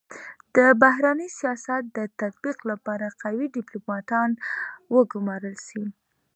د بهرني سیاست د تطبیق لپاره قوي ډيپلوماتان و ګمارل سي.